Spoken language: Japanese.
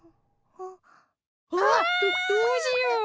どっどうしよう！